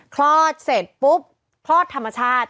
คลอดเสร็จปุ๊บคลอดธรรมชาติ